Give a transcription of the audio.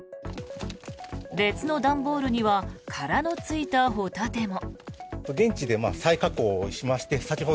別の段ボールには殻のついたホタテも。